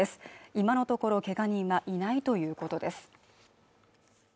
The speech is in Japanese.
今のところけが人はいないということです